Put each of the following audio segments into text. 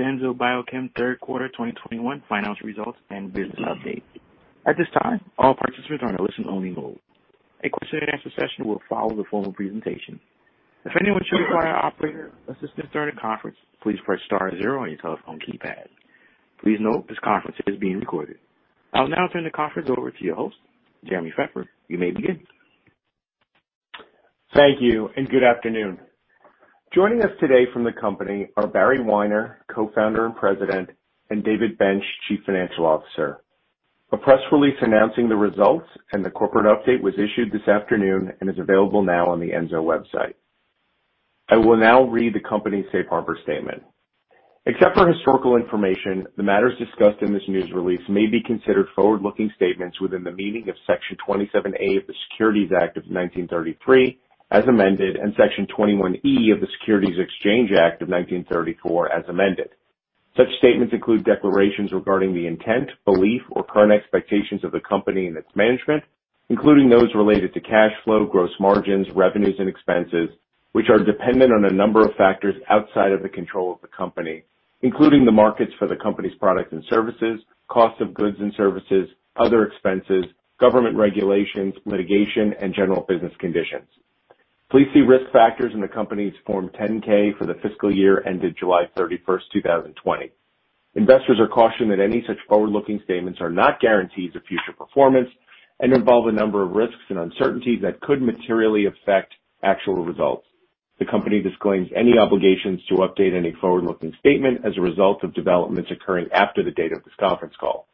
Enzo Biochem third quarter 2021 financial results and business update. At this time, all participants are in a listen only mode. A question and answer session will follow the formal presentation. If anyone should require operator assistance during the conference, please press star zero on your telephone keypad. Please note this conference is being recorded. I'll now turn the conference over to your host, Jeremy Fefferman. You may begin. Thank you, and good afternoon. Joining us today from the company are Barry Weiner, Co-Founder and President, and David Bench, Chief Financial Officer. A press release announcing the results and the corporate update was issued this afternoon and is available now on the Enzo website. I will now read the company's safe harbor statement. Except for historical information, the matters discussed in this news release may be considered forward-looking statements within the meaning of Section 27A of the Securities Act of 1933, as amended, and Section 21E of the Securities Exchange Act of 1934, as amended. Such statements include declarations regarding the intent, belief, or current expectations of the company and its management, including those related to cash flow, gross margins, revenues, and expenses, which are dependent on a number of factors outside of the control of the company, including the markets for the company's products and services, cost of goods and services, other expenses, government regulations, litigation, and general business conditions. Please see risk factors in the company's Form 10-K for the fiscal year ended July 31st, 2020. Investors are cautioned that any such forward-looking statements are not guarantees of future performance and involve a number of risks and uncertainties that could materially affect actual results. The company disclaims any obligations to update any forward-looking statement as a result of developments occurring after the date of this conference call.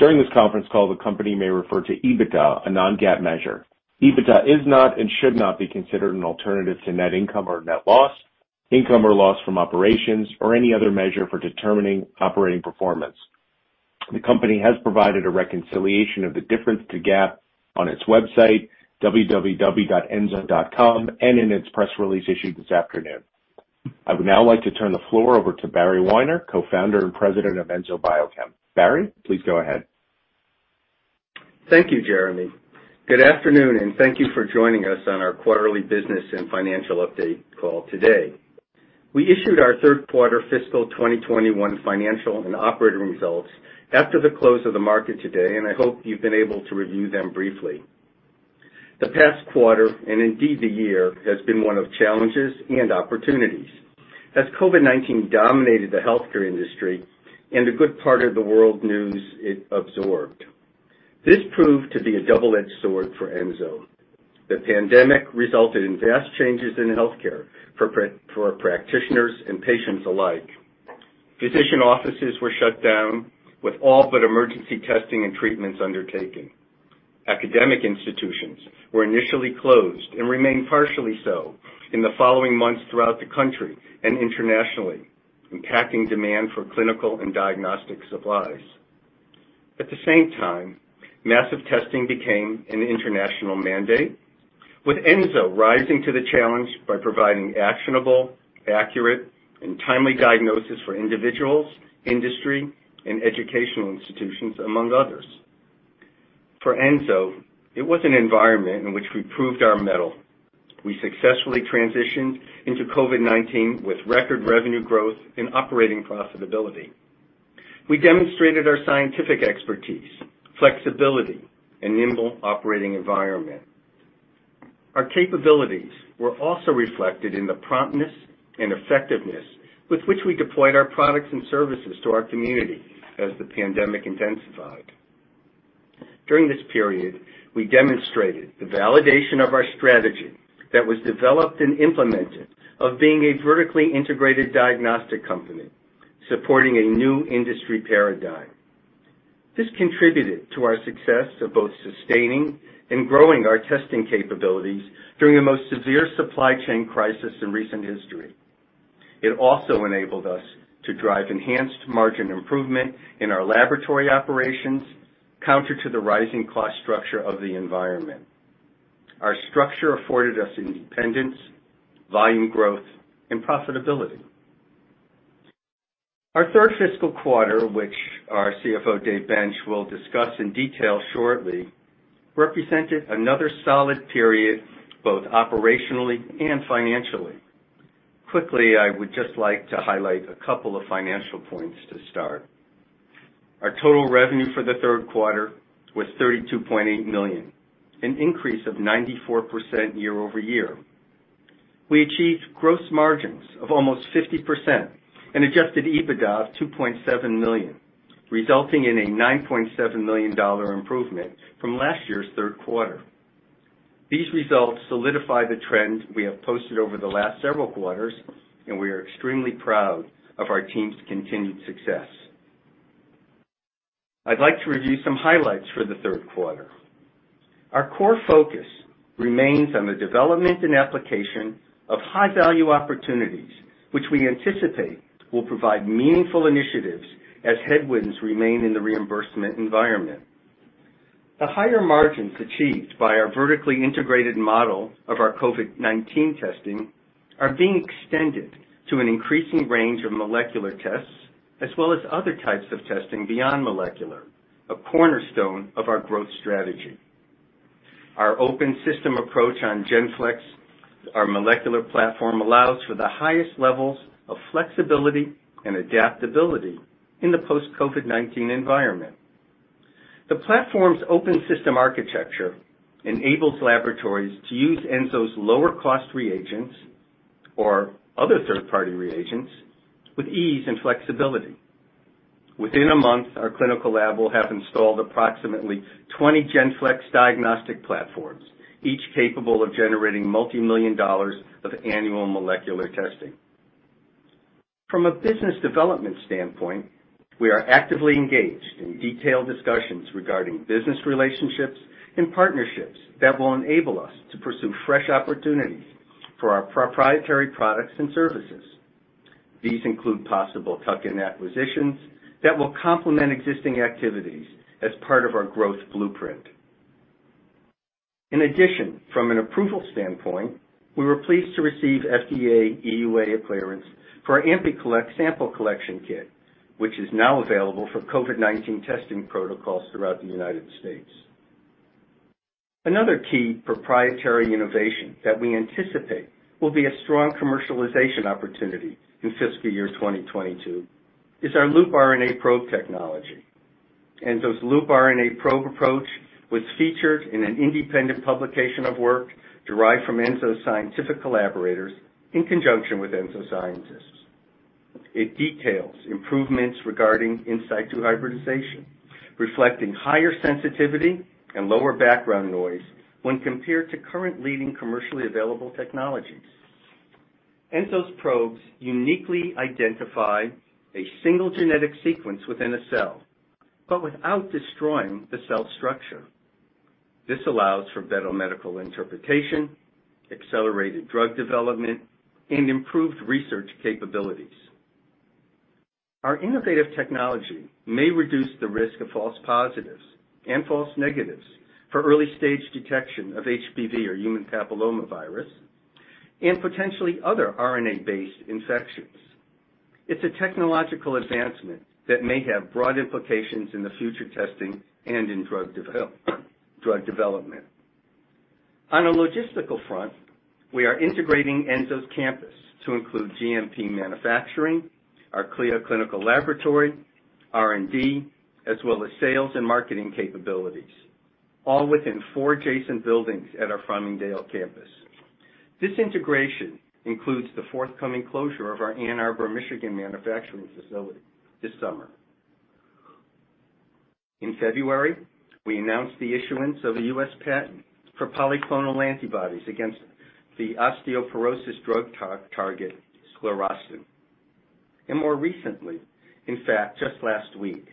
During this conference call, the company may refer to EBITDA, a non-GAAP measure. EBITDA is not and should not be considered an alternative to net income or net loss, income or loss from operations or any other measure for determining operating performance. The company has provided a reconciliation of the difference to GAAP on its website, www.enzo.com, and in its press release issued this afternoon. I would now like to turn the floor over to Barry Weiner, Co-Founder and President of Enzo Biochem. Barry, please go ahead. Thank you, Jeremy. Good afternoon, and thank you for joining us on our quarterly business and financial update call today. We issued our third quarter fiscal 2021 financial and operating results after the close of the market today. I hope you've been able to review them briefly. The past quarter, and indeed the year, has been one of challenges and opportunities as COVID-19 dominated the healthcare industry and a good part of the world news it absorbed. This proved to be a double-edged sword for Enzo. The pandemic resulted in vast changes in healthcare for practitioners and patients alike. Physician offices were shut down with all but emergency testing and treatments undertaken. Academic institutions were initially closed and remained partially so in the following months throughout the country and internationally, impacting demand for clinical and diagnostic supplies. At the same time, massive testing became an international mandate, with Enzo rising to the challenge by providing actionable, accurate, and timely diagnosis for individuals, industry, and educational institutions, among others. For Enzo, it was an environment in which we proved our mettle. We successfully transitioned into COVID-19 with record revenue growth and operating profitability. We demonstrated our scientific expertise, flexibility, and nimble operating environment. Our capabilities were also reflected in the promptness and effectiveness with which we deployed our products and services to our community as the pandemic intensified. During this period, we demonstrated the validation of our strategy that was developed and implemented of being a vertically integrated diagnostic company supporting a new industry paradigm. This contributed to our success of both sustaining and growing our testing capabilities during the most severe supply chain crisis in recent history. It also enabled us to drive enhanced margin improvement in our laboratory operations, counter to the rising cost structure of the environment. Our structure afforded us independence, volume growth, and profitability. Our third fiscal quarter, which our CFO, Dave Bench, will discuss in detail shortly, represented another solid period both operationally and financially. Quickly, I would just like to highlight a couple of financial points to start. Our total revenue for the third quarter was $32.8 million, an increase of 94% year-over-year. We achieved gross margins of almost 50% and adjusted EBITDA of $2.7 million, resulting in a $9.7 million improvement from last year's third quarter. These results solidify the trend we have posted over the last several quarters, and we are extremely proud of our team's continued success. I'd like to review some highlights for the third quarter. Our core focus remains on the development and application of high-value opportunities, which we anticipate will provide meaningful initiatives as headwinds remain in the reimbursement environment. The higher margins achieved by our vertically integrated model of our COVID-19 testing are being extended to an increasing range of molecular tests, as well as other types of testing beyond molecular, a cornerstone of our growth strategy. Our open system approach on GenFlex, our molecular platform, allows for the highest levels of flexibility and adaptability in the post-COVID-19 environment. The platform's open system architecture enables laboratories to use Enzo's lower-cost reagents or other third-party reagents with ease and flexibility. Within a month, our clinical lab will have installed approximately 20 GenFlex diagnostic platforms, each capable of generating multimillion dollars of annual molecular testing. From a business development standpoint, we are actively engaged in detailed discussions regarding business relationships and partnerships that will enable us to pursue fresh opportunities for our proprietary products and services. These include possible tuck-in acquisitions that will complement existing activities as part of our growth blueprint. In addition, from an approval standpoint, we were pleased to receive FDA EUA clearance for our AmpiCollect sample collection kit, which is now available for COVID-19 testing protocols throughout the United States. Another key proprietary innovation that we anticipate will be a strong commercialization opportunity in fiscal year 2022 is our LoopRNA probe technology. Enzo's LoopRNA probe approach was featured in an independent publication of work derived from Enzo scientific collaborators in conjunction with Enzo scientists. It details improvements regarding in situ hybridization, reflecting higher sensitivity and lower background noise when compared to current leading commercially available technologies. Enzo's probes uniquely identify a single genetic sequence within a cell, but without destroying the cell structure. This allows for better medical interpretation, accelerated drug development, and improved research capabilities. Our innovative technology may reduce the risk of false positives and false negatives for early-stage detection of HPV or human papillomavirus, and potentially other RNA-based infections. It's a technological advancement that may have broad implications in the future testing and in drug development. On a logistical front, we are integrating Enzo's campus to include GMP manufacturing, our CLIA clinical laboratory, R&D, as well as sales and marketing capabilities, all within four adjacent buildings at our Farmingdale campus. This integration includes the forthcoming closure of our Ann Arbor, Michigan, manufacturing facility this summer. In February, we announced the issuance of a U.S. patent for polyclonal antibodies against the osteoporosis drug target sclerostin. More recently, in fact, just last week,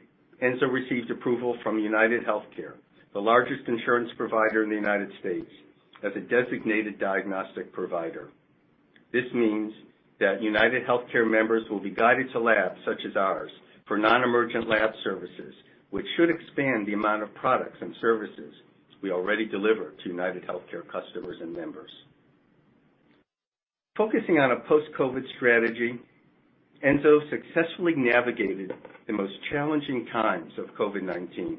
Enzo received approval from UnitedHealthcare, the largest insurance provider in the United States, as a designated diagnostic provider. This means that UnitedHealthcare members will be guided to labs such as ours for non-emergent lab services, which should expand the amount of products and services we already deliver to UnitedHealthcare customers and members. Focusing on a post-COVID strategy, Enzo successfully navigated the most challenging times of COVID-19.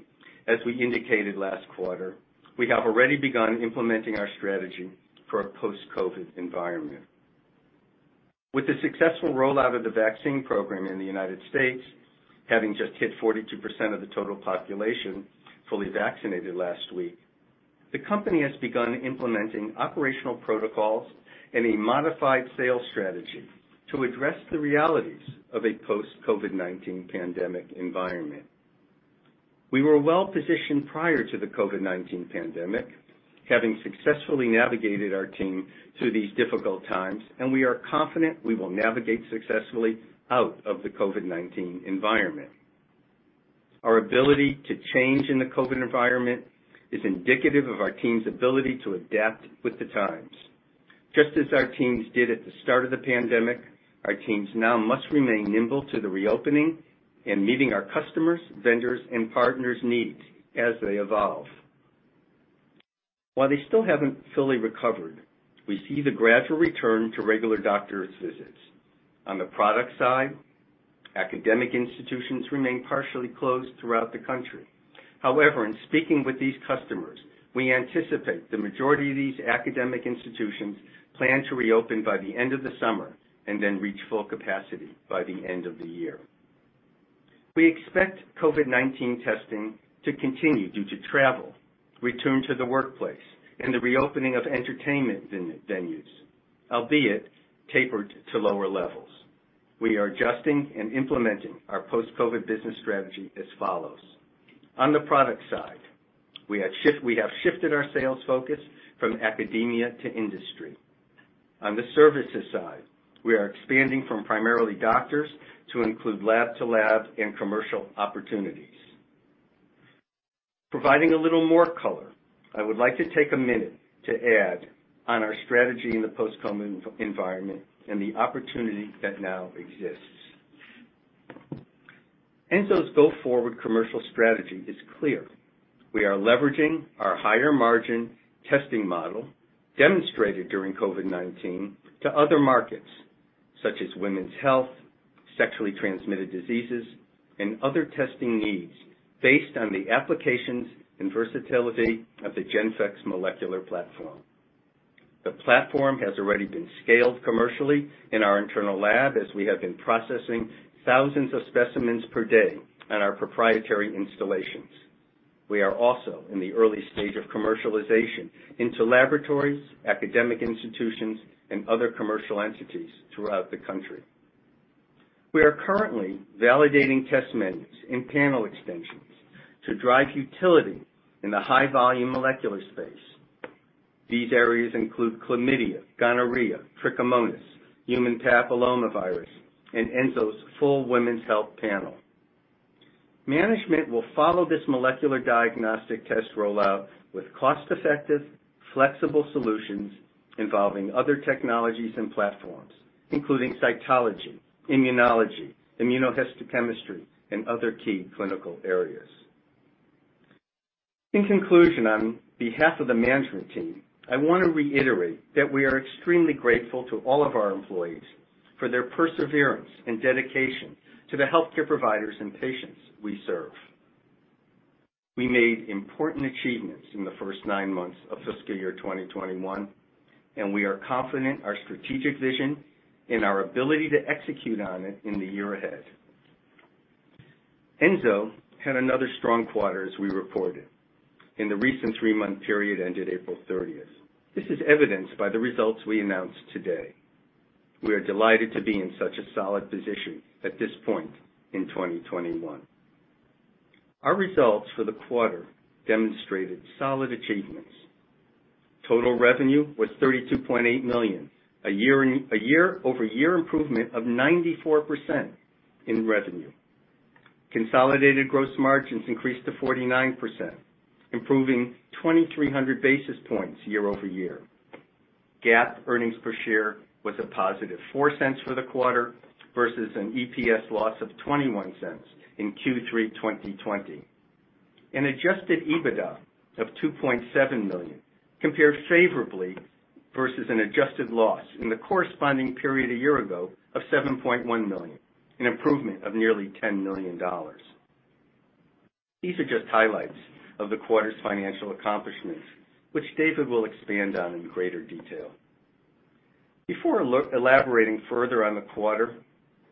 As we indicated last quarter, we have already begun implementing our strategy for a post-COVID environment. With the successful rollout of the vaccine program in the United States, having just hit 42% of the total population fully vaccinated last week, the company has begun implementing operational protocols and a modified sales strategy to address the realities of a post-COVID-19 pandemic environment. We were well-positioned prior to the COVID-19 pandemic, having successfully navigated our team through these difficult times, and we are confident we will navigate successfully out of the COVID-19 environment. Our ability to change in the COVID environment is indicative of our team's ability to adapt with the times. Just as our teams did at the start of the pandemic, our teams now must remain nimble to the reopening and meeting our customers, vendors, and partners' needs as they evolve. While they still haven't fully recovered, we see the gradual return to regular doctor's visits. On the product side, academic institutions remain partially closed throughout the country. In speaking with these customers, we anticipate the majority of these academic institutions plan to reopen by the end of the summer and then reach full capacity by the end of the year. We expect COVID-19 testing to continue due to travel, return to the workplace, and the reopening of entertainment venues, albeit tapered to lower levels. We are adjusting and implementing our post-COVID business strategy as follows. On the product side, we have shifted our sales focus from academia to industry. On the services side, we are expanding from primarily doctors to include lab-to-lab and commercial opportunities. Providing a little more color, I would like to take a minute to add on our strategy in the post-COVID environment and the opportunity that now exists. Enzo's go-forward commercial strategy is clear. We are leveraging our higher-margin testing model demonstrated during COVID-19 to other markets such as women's health, sexually transmitted diseases, and other testing needs based on the applications and versatility of the GenFlex molecular platform. The platform has already been scaled commercially in our internal lab as we have been processing thousands of specimens per day on our proprietary installations. We are also in the early stage of commercialization into laboratories, academic institutions, and other commercial entities throughout the country. We are currently validating test menus and panel extensions to drive utility in the high-volume molecular space. These areas include chlamydia, gonorrhea, trichomoniasis, human papillomavirus, and Enzo's full women's health panel. Management will follow this molecular diagnostic test rollout with cost-effective, flexible solutions involving other technologies and platforms, including cytology, immunology, immunohistochemistry, and other key clinical areas. In conclusion, on behalf of the management team, I want to reiterate that we are extremely grateful to all of our employees for their perseverance and dedication to the healthcare providers and patients we serve. We made important achievements in the first nine months of fiscal year 2021. We are confident our strategic vision and our ability to execute on it in the year ahead. Enzo had another strong quarter as we reported, in the recent three-month period ended April 30th. This is evidenced by the results we announced today. We are delighted to be in such a solid position at this point in 2021. Our results for the quarter demonstrated solid achievements. Total revenue was $32.8 million, a year-over-year improvement of 94% in revenue. Consolidated gross margins increased to 49%, improving 2,300 basis points year-over-year. GAAP earnings per share was a $+0.04 for the quarter versus an EPS loss of $0.21 in Q3 2020, and adjusted EBITDA of $2.7 million, compared favorably versus an adjusted loss in the corresponding period a year ago of $7.1 million, an improvement of nearly $10 million. These are just highlights of the quarter's financial accomplishments, which David will expand on in greater detail. Before elaborating further on the quarter,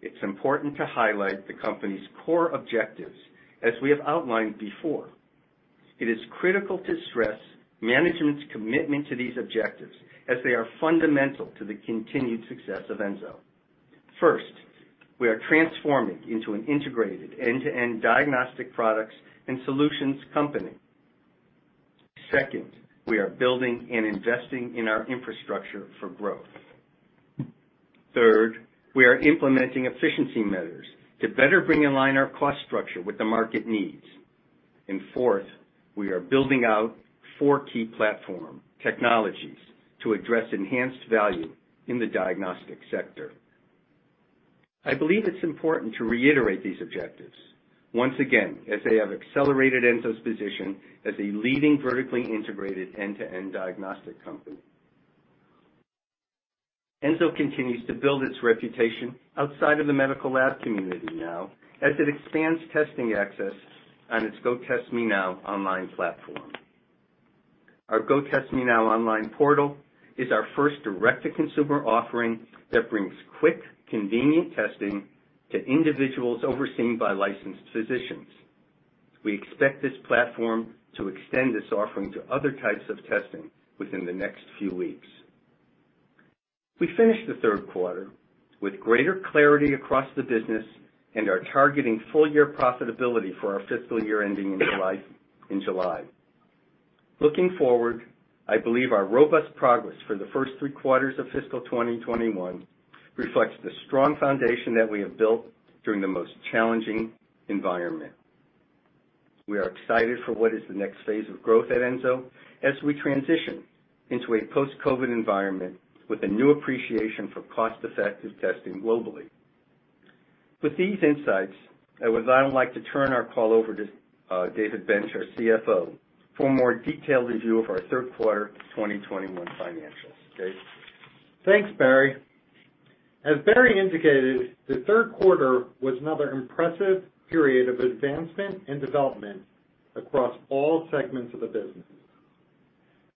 it's important to highlight the company's core objectives, as we have outlined before. It is critical to stress management's commitment to these objectives, as they are fundamental to the continued success of Enzo. First, we are transforming into an integrated end-to-end diagnostic products and solutions company. Second, we are building and investing in our infrastructure for growth. Third, we are implementing efficiency measures to better align our cost structure with the market needs. Fourth, we are building out four key platform technologies to address enhanced value in the diagnostic sector. I believe it's important to reiterate these objectives, once again, as they have accelerated Enzo's position as a leading vertically integrated end-to-end diagnostic company. Enzo continues to build its reputation outside of the medical lab community now as it expands testing access on its GoTestMeNow online platform. Our GoTestMeNow online portal is our first direct-to-consumer offering that brings quick, convenient testing to individuals overseen by licensed physicians. We expect this platform to extend this offering to other types of testing within the next few weeks. We finished the third quarter with greater clarity across the business and are targeting full-year profitability for our fiscal year ending in July. Looking forward, I believe our robust progress for the first three quarters of fiscal 2021 reflects the strong foundation that we have built during the most challenging environment. We are excited for what is the next phase of growth at Enzo as we transition into a post-COVID-19 environment with a new appreciation for cost-effective testing globally. With these insights, I would now like to turn our call over to David Bench, our CFO, for a more detailed review of our third quarter 2021 financials. Dave? Thanks, Barry. As Barry indicated, the third quarter was another impressive period of advancement and development across all segments of the business.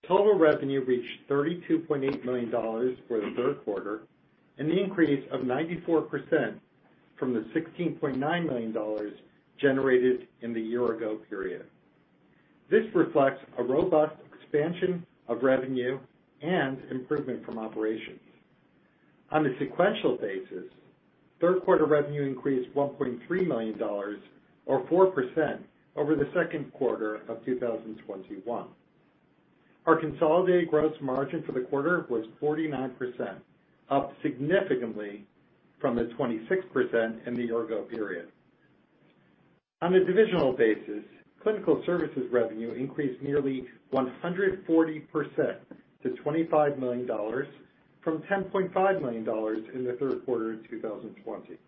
Total revenue reached $32.8 million for the third quarter, an increase of 94% from the $16.9 million generated in the year-ago period. This reflects a robust expansion of revenue and improvement from operations. On a sequential basis, third quarter revenue increased $1.3 million or 4% over the second quarter of 2021. Our consolidated gross margin for the quarter was 49%, up significantly from the 26% in the year-ago period. On a divisional basis, clinical services revenue increased nearly 140% to $25 million from $10.5 million in the third quarter of 2020.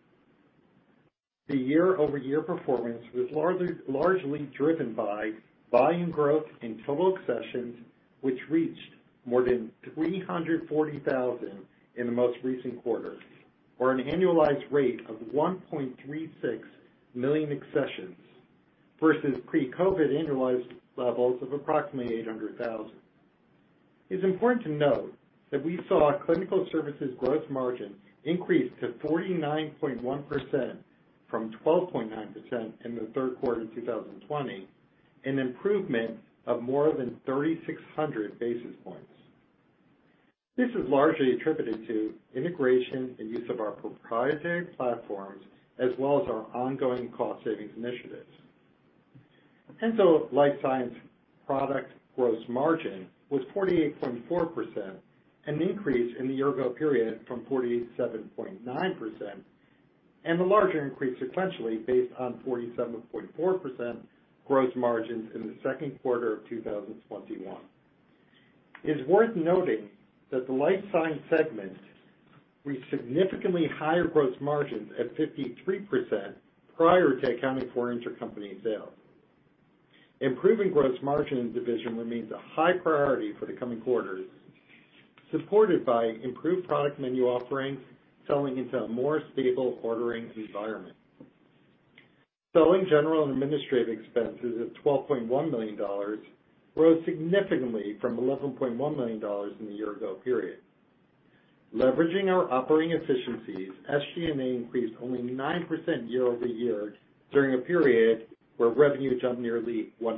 The year-over-year performance was largely driven by volume growth in total accessions, which reached more than 340,000 in the most recent quarter, or an annualized rate of 1.36 million accessions versus pre-COVID annualized levels of approximately 800,000. It's important to note that we saw our clinical services gross margin increase to 49.1% from 12.9% in the third quarter of 2020, an improvement of more than 3,600 basis points. This is largely attributed to integration and use of our proprietary platforms, as well as our ongoing cost-savings initiatives. Enzo Life Sciences product gross margin was 48.4%, an increase in the year-ago period from 47.9%, and a larger increase sequentially based on 47.4% gross margins in the second quarter of 2021. It is worth noting that the Life Sciences segment reached significantly higher gross margins at 53% prior to accounting for inter-company sales. Improving gross margin in the division remains a high priority for the coming quarters, supported by improved product menu offerings selling into a more stable ordering environment. Selling, general, and administrative expenses at $12.1 million grew significantly from $11.1 million in the year-ago period. Leveraging our operating efficiencies, SG&A increased only 9% year-over-year during a period where revenues jumped nearly 100%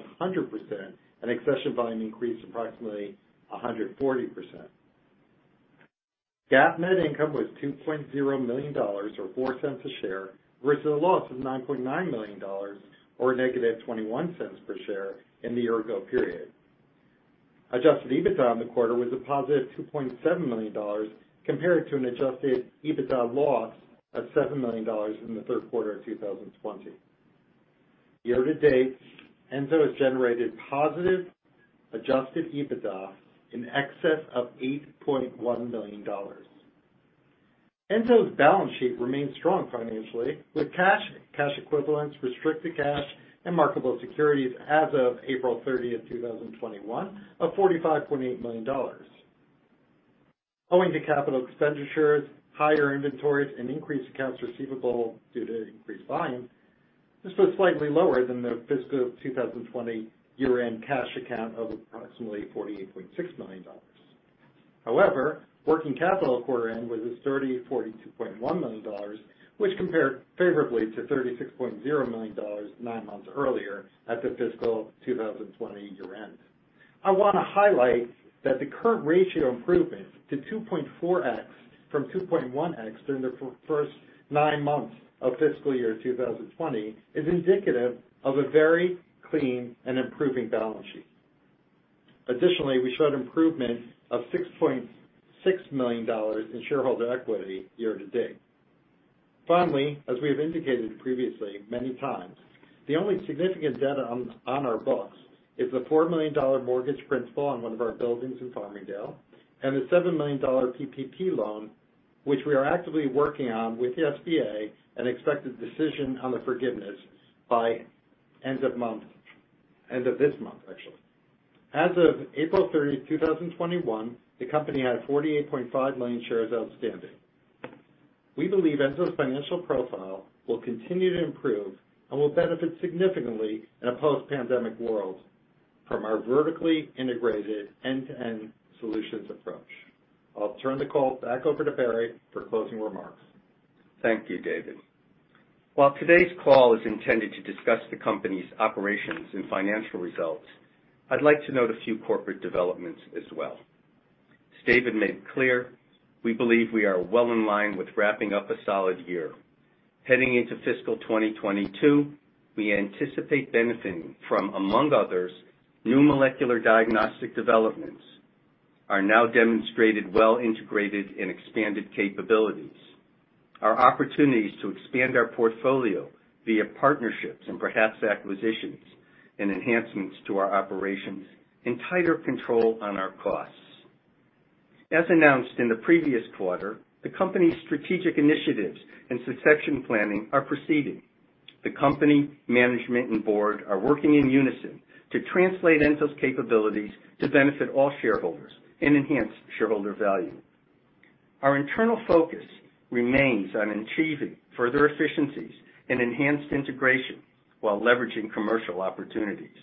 and accession volume increased approximately 140%. GAAP net income was $2.0 million, or $0.04 a share, versus a loss of $9.9 million, or $-0.21 per share in the year-ago period. Adjusted EBITDA in the quarter was a $+2.7 million compared to an adjusted EBITDA loss of $7 million in the third quarter of 2020. Year-to-date, Enzo has generated positive adjusted EBITDA in excess of $8.1 million. Enzo's balance sheet remains strong financially, with cash equivalents, restricted cash, and marketable securities as of April 30th, 2021, of $45.8 million. Owing to capital expenditures, higher inventories, and increased accounts receivable due to increased volume, this was slightly lower than the fiscal 2020 year-end cash account of approximately $48.6 million. Working capital quarter-end was a sturdy $42.1 million, which compared favorably to $36.0 million nine months earlier at the fiscal 2020 year-end. I want to highlight that the current ratio improvement to 2.4x from 2.1x during the first nine months of fiscal year 2020 is indicative of a very clean and improving balance sheet. We showed improvement of $6.6 million in shareholder equity year-to-date. Finally, as we have indicated previously many times, the only significant debt on our books is the $4 million mortgage principal on one of our buildings in Farmingdale and the $7 million PPP loan, which we are actively working on with the SBA and expect a decision on the forgiveness by end of this month, actually. As of April 30th, 2021, the company had 48.5 million shares outstanding. We believe Enzo's financial profile will continue to improve and will benefit significantly in a post-pandemic world from our vertically integrated end-to-end solutions approach. I'll turn the call back over to Barry for closing remarks. Thank you, David. While today's call is intended to discuss the company's operations and financial results, I'd like to note a few corporate developments as well. As David made clear, we believe we are well in line with wrapping up a solid year. Heading into fiscal 2022, we anticipate benefiting from, among others, new molecular diagnostic developments, our now demonstrated well-integrated and expanded capabilities, our opportunities to expand our portfolio via partnerships and perhaps acquisitions, and enhancements to our operations, and tighter control on our costs. As announced in the previous quarter, the company's strategic initiatives and succession planning are proceeding. The company, management, and board are working in unison to translate Enzo's capabilities to benefit all shareholders and enhance shareholder value. Our internal focus remains on achieving further efficiencies and enhanced integration while leveraging commercial opportunities.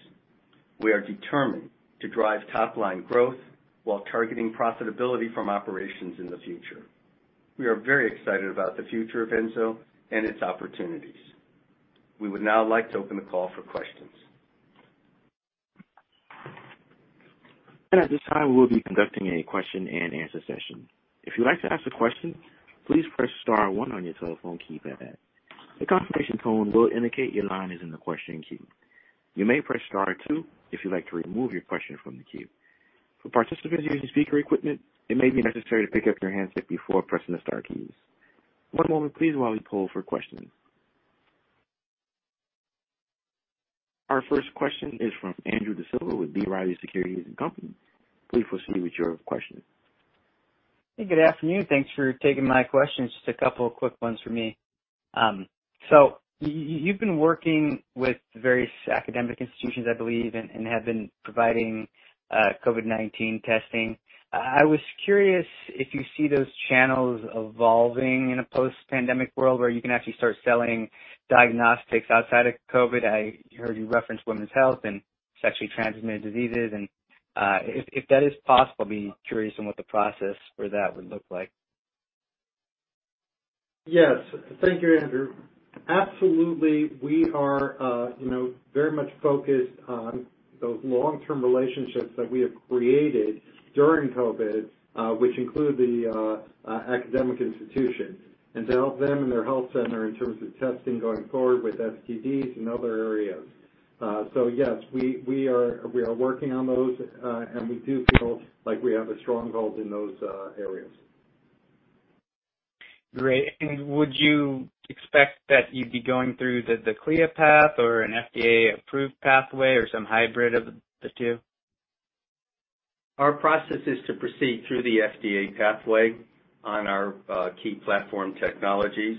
We are determined to drive top-line growth while targeting profitability from operations in the future. We are very excited about the future of Enzo and its opportunities. We would now like to open the call for questions. At this time, we'll be conducting a question-and-answer session. If you'd like to ask a question, please press star one on your telephone keypad. A confirmation tone will indicate your line is in the questioning queue. You may press star two if you'd like to remove your question from the queue. For participants using speaker equipment, it may be necessary to pick up your handset before pressing the star keys. One moment please while we poll for questions. Our first question is from Andrew DiSalvo with B. Riley Securities. Please proceed with your question. Hey, good afternoon. Thanks for taking my question. Just a couple of quick ones for me. You've been working with various academic institutions, I believe, and have been providing COVID-19 testing. I was curious if you see those channels evolving in a post-pandemic world where you can actually start selling diagnostics outside of COVID. I heard you reference women's health and sexually transmitted diseases. If that is possible, I'd be curious on what the process for that would look like. Yes. Thank you, Andrew. Absolutely, we are very much focused on those long-term relationships that we have created during COVID, which include the academic institutions and to help them in their health center in terms of testing going forward with STDs and other areas. Yes, we are working on those, and we do feel like we have a strong hold in those areas. Great. Would you expect that you'd be going through the CLIA path or an FDA-approved pathway or some hybrid of the two? Our process is to proceed through the FDA pathway on our key platform technologies.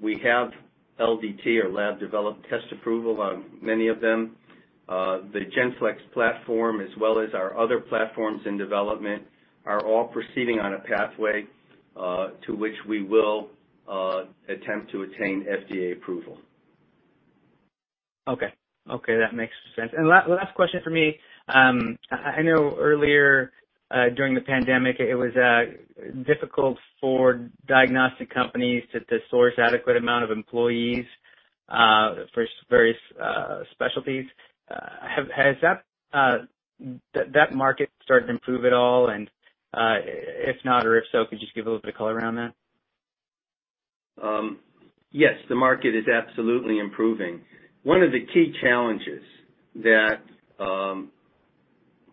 We have LDT or lab developed test approval on many of them. The GenFlex platform, as well as our other platforms in development, are all proceeding on a pathway to which we will attempt to attain FDA approval. Okay. That makes sense. Last question for me. I know earlier during the pandemic, it was difficult for diagnostic companies to source adequate amount of employees for various specialties. Has that market started to improve at all? If not or if so, could you give a little color around that? Yes, the market is absolutely improving. One of the key challenges that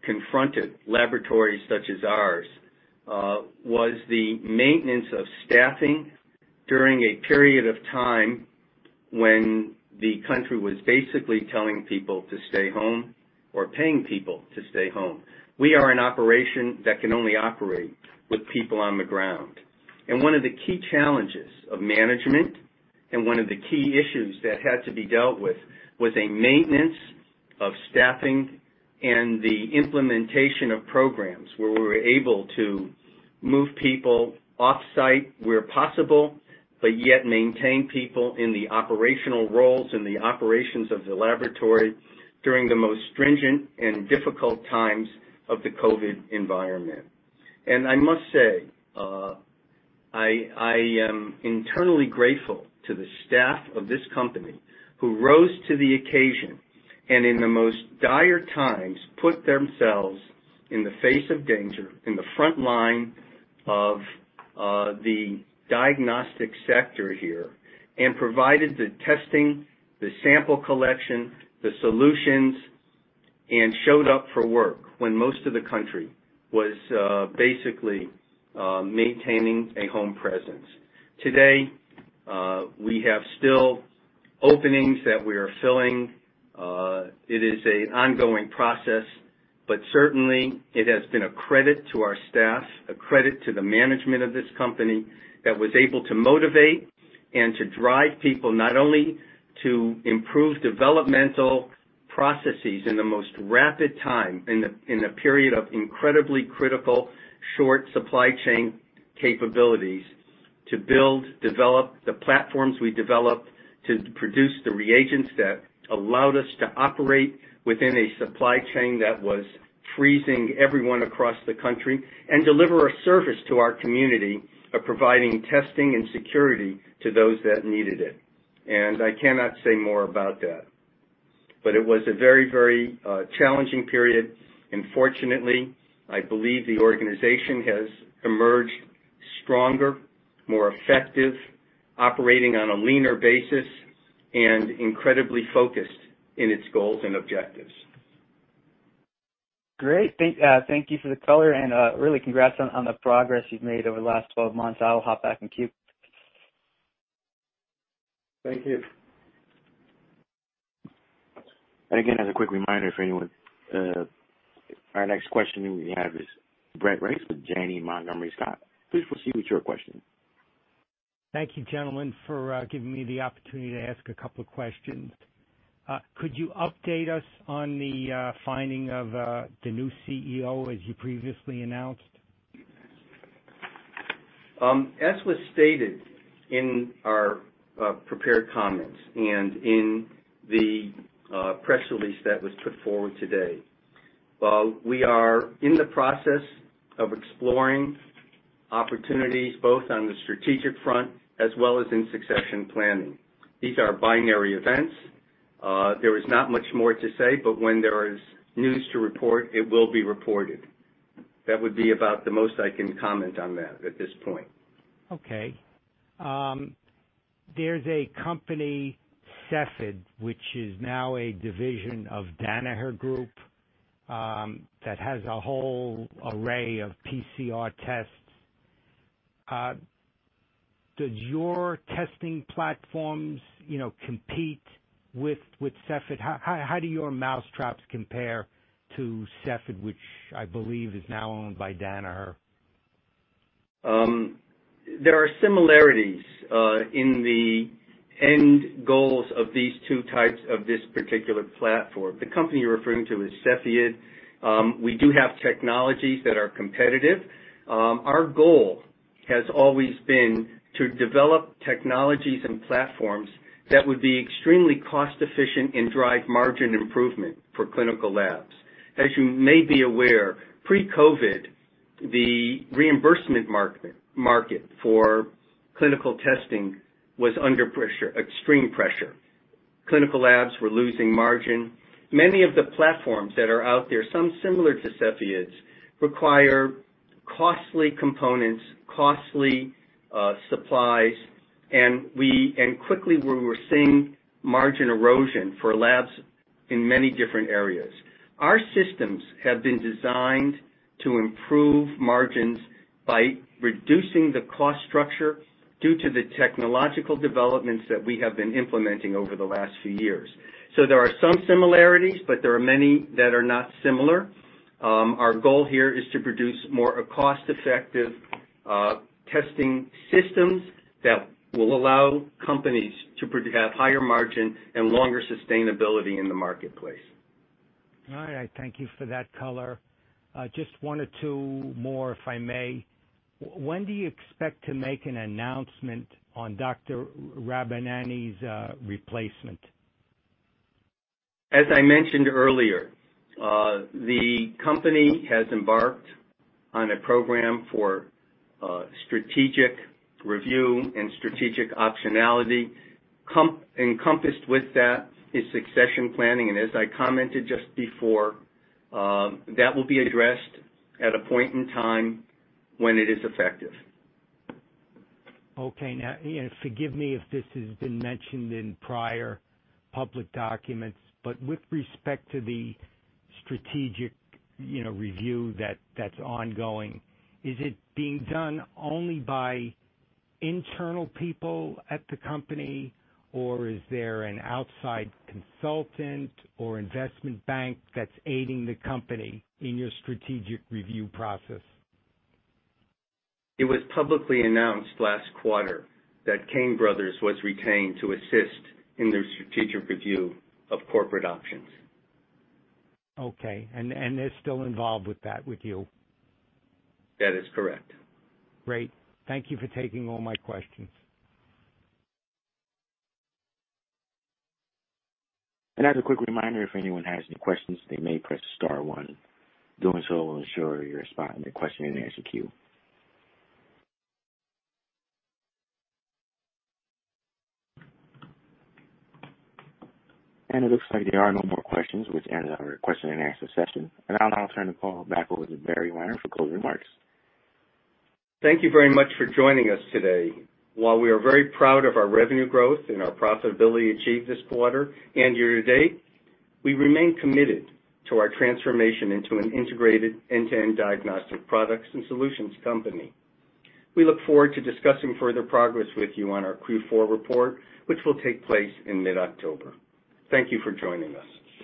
confronted laboratories such as ours was the maintenance of staffing during a period of time when the country was basically telling people to stay home or paying people to stay home. One of the key challenges of management and one of the key issues that had to be dealt with was a maintenance of staffing and the implementation of programs where we were able to move people off-site where possible, but yet maintain people in the operational roles in the operations of the laboratory during the most stringent and difficult times of the COVID-19 environment. I must say, I am eternally grateful to the staff of this company who rose to the occasion and in the most dire times, put themselves in the face of danger in the front line of the diagnostic sector here and provided the testing, the sample collection, the solutions, and showed up for work when most of the country was basically maintaining a home presence. Today, we have still openings that we are filling. It is an ongoing process, but certainly it has been a credit to our staff, a credit to the management of this company that was able to motivate and to drive people not only to improve developmental processes in the most rapid time in a period of incredibly critical short supply chain capabilities to build, develop the platforms we developed, to produce the reagents that allowed us to operate within a supply chain that was freezing everyone across the country and deliver a service to our community of providing testing and security to those that needed it. I cannot say more about that. It was a very challenging period. Fortunately, I believe the organization has emerged stronger, more effective, operating on a leaner basis, and incredibly focused in its goals and objectives. Great. Thank you for the color and really congrats on the progress you've made over the last 12 months. I'll hop back in queue. Thank you. Again, as a quick reminder for anyone, our next question we have is Brett Reiss with Janney Montgomery Scott. Please proceed with your question. Thank you, gentlemen, for giving me the opportunity to ask a couple of questions. Could you update us on the finding of the new CEO as you previously announced? As was stated in our prepared comments and in the press release that was put forward today, we are in the process of exploring opportunities both on the strategic front as well as in succession planning. These are binary events. There is not much more to say, but when there is news to report, it will be reported. That would be about the most I can comment on that at this point. Okay. There's a company, Cepheid, which is now a division of Danaher Corporation that has a whole array of PCR tests. Does your testing platforms compete with Cepheid? How do your mousetraps compare to Cepheid, which I believe is now owned by Danaher? There are similarities in the end goals of these two types of this particular platform. The company you're referring to is Cepheid. We do have technologies that are competitive. Our goal has always been to develop technologies and platforms that would be extremely cost efficient and drive margin improvement for clinical labs. As you may be aware, pre-COVID, the reimbursement market for clinical testing was under extreme pressure. Clinical labs were losing margin. Many of the platforms that are out there, some similar to Cepheid's, require costly components, costly supplies, and quickly we were seeing margin erosion for labs in many different areas. Our systems have been designed to improve margins by reducing the cost structure due to the technological developments that we have been implementing over the last few years. There are some similarities, but there are many that are not similar. Our goal here is to produce more cost-effective testing systems that will allow companies to produce at higher margin and longer sustainability in the marketplace. All right. Thank you for that color. Just one or two more, if I may. When do you expect to make an announcement on Dr. Rabbani's replacement? As I mentioned earlier, the company has embarked on a program for strategic review and strategic optionality. Encompassed with that is succession planning, and as I commented just before, that will be addressed at a point in time when it is effective. Okay. Now, forgive me if this has been mentioned in prior public documents, but with respect to the strategic review that's ongoing, is it being done only by internal people at the company, or is there an outside consultant or investment bank that's aiding the company in your strategic review process? It was publicly announced last quarter that Cain Brothers was retained to assist in the strategic review of corporate options. Okay, they're still involved with that with you? That is correct. Great. Thank you for taking all my questions. As a quick reminder, if anyone has any questions, they may press star one. Doing so will ensure your spot in the question and answer queue. It looks like there are no more questions, which ends our question and answer session. I'll now turn the call back over to Barry Weiner for closing remarks. Thank you very much for joining us today. While we are very proud of our revenue growth and our profitability achieved this quarter and year-to-date, we remain committed to our transformation into an integrated end-to-end diagnostic products and solutions company. We look forward to discussing further progress with you on our Q4 report, which will take place in mid-October. Thank you for joining us.